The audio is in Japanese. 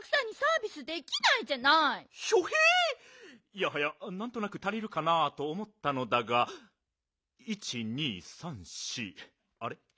いやはやなんとなく足りるかなとおもったのだが１２３４あれ？